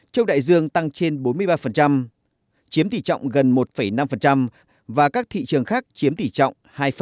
châu đại dương tăng trên bốn mươi ba chiếm tỷ trọng gần một năm và các thị trường khác chiếm tỷ trọng hai một mươi bảy